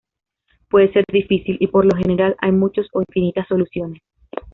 Puede ser difícil, y por lo general hay muchos o infinitas soluciones.